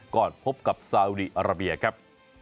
ก่อนพบกับซาอุดิอรับเบียครับ